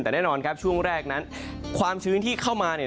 แต่แน่นอนครับช่วงแรกนั้นความชื้นที่เข้ามา